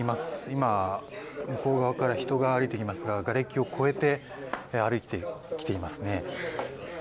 今、向こう側から人が歩いてきますががれきを越えて歩いてきていますね。